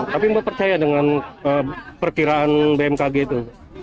tapi mempercaya dengan perkiraan bmkg itu